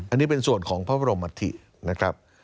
อันนี้เป็นส่วนของพระบรมอัฐินะครับ